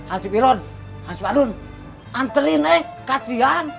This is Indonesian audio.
ancik piron ancik padun antri nih kasian